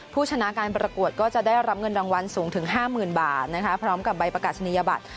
ผู้ชนะการประกวดก็จะได้รับเงินรางวัลสูงถึง๕๐๐๐บาทพร้อมกับใบประกาศนียบัตร